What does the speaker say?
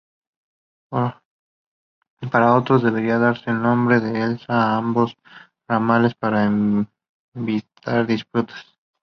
Para otros, debería darse el nombre de Esla a ambos ramales para evitar disputas.